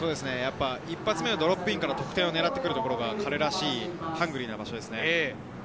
一発目のドロップインから得点を狙ってくるところが彼らしいハングリーですね。